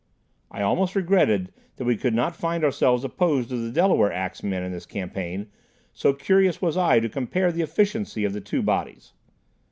I almost regretted that we would not find ourselves opposed to the Delaware ax men in this campaign, so curious was I to compare the efficiency of the two bodies.